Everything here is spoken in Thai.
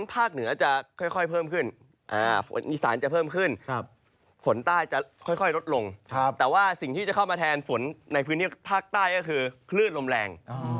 แต่ว่าอาจจะเข้ามาแทนฝนในพื้นภาคใต้ก็คือคลื่นลมแรง